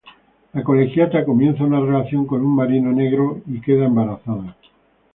La colegiala comienza una relación con un marino negro y queda embarazada.